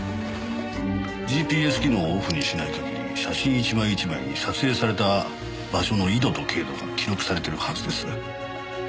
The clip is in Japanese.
ＧＰＳ機能をオフにしない限り写真１枚１枚に撮影された場所の緯度と経度が記録されてるはずです。